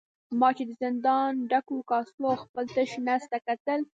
ما چې د زندان ډکو کاسو او خپل تش نس ته کتل.